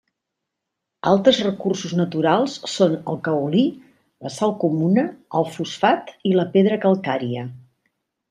Altres recursos naturals són el caolí, la sal comuna, el fosfat i la pedra calcària.